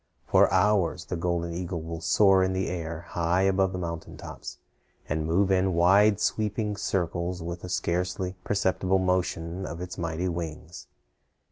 For hours the golden eagle will soar in the air high above the mountain tops, and move in wide sweeping circles with a scarcely perceptible motion of its mighty wings.